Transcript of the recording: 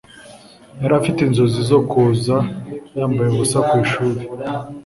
Yari afite inzozi zo kuza yambaye ubusa ku ishuri.